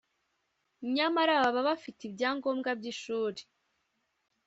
nyamara baba bafite ibyangombwa by’ishuri